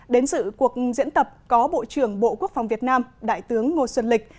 đến sự cuộc diễn tập có bộ trưởng bộ quốc phòng việt nam đại tướng ngô xuân lịch